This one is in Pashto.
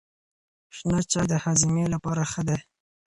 شنه چای د هاضمې لپاره ښه دی.